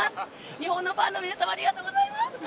日本のファンの皆様ありがとうございます。